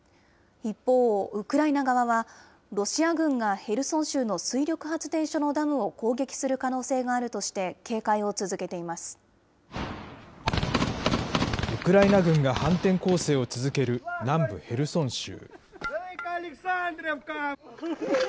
一方、ウクライナ側は、ロシア軍がヘルソン州の水力発電所のダムを攻撃する可能性があるウクライナ軍が反転攻勢を続ける南部ヘルソン州。